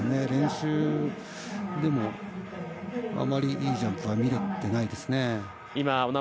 練習でもあまりいいジャンプが見れてないですね。